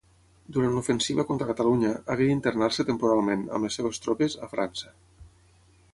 Durant l'ofensiva contra Catalunya, hagué d'internar-se temporalment, amb les seves tropes, a França.